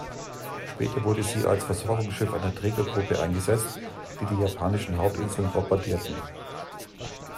Später wurde sie als Versorgungsschiff einer Trägergruppe eingesetzt, die die japanischen Hauptinseln bombardierten.